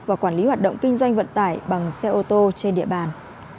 và quản lý hoạt động kinh doanh vận tải bằng xe ô tô trên địa bàn